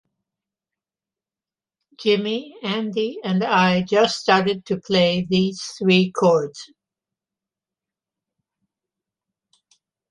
Jimi, Andy and I just started to play these three chords.